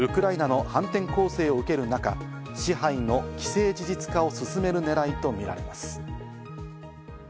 ウクライナの反転攻勢を受ける中、支配の既成事実化を進める狙いとみられます。